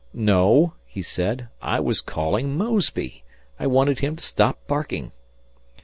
"No," he said, "I was calling Mosby. I wanted him to stop barking."